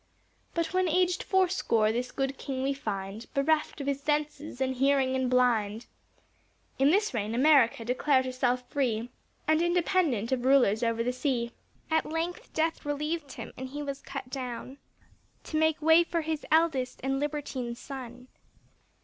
But when aged four score, this good king we find Bereft of his senses and hearing, and blind. In this reign America declared herself free, And independent of rulers over the sea. At length death relieved him, and he was cut down, To make way for his eldest and libertine son.